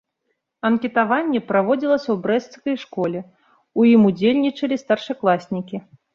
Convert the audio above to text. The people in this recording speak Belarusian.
Анкетаванне праводзілася ў брэсцкай школе, у ім удзельнічалі старшакласнікі.